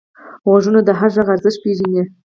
غوږونه د هر غږ ارزښت پېژني